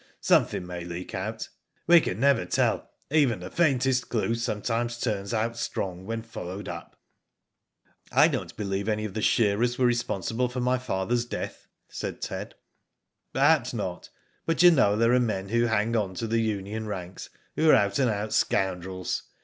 Something may leak out. We never can tell, even the faintest Digitized byGoogk MUNDA, 47 clue sometimes turns out strong when followed up." " I don't believe any of the shearers were re sponsible for my father's death/* said Ted. "Perhaps not; but you know there are men who hang on to the union ranks who are out and out scoundrels.